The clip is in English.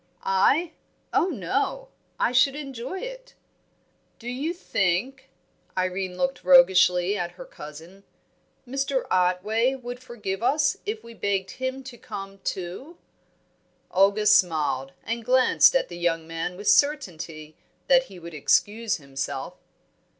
"I? Oh, no! I should enjoy it." "Do you think" Irene looked roguishly at her cousin "Mr. Otway would forgive us if we begged him to come, too?" Olga smiled, and glanced at the young man with certainty that he would excuse himself.